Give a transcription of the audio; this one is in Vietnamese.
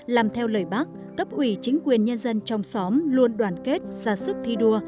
làm theo lời bác cấp ủy chính quyền nhân dân trong xóm luôn đoàn kết ra sức thi đua